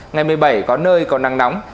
ngày một mươi bảy có nơi có nắng nóng